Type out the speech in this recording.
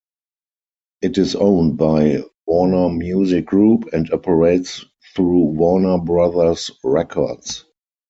It is owned by Warner Music Group, and operates through Warner Brothers Records.